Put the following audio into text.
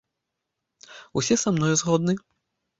Усе са мною згодны?